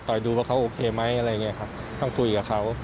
ดูว่าเขาโอเคไหมอะไรอย่างนี้ครับต้องคุยกับเขา